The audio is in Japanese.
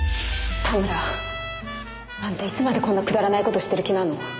田村あんたいつまでこんなくだらない事してる気なの？